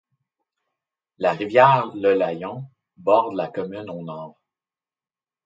La rivière le Layon borde la commune au nord.